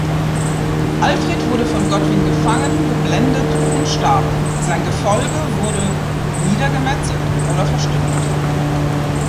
Alfred wurde von Godwin gefangen, geblendet und starb, sein Gefolge wurde niedergemetzelt oder verstümmelt.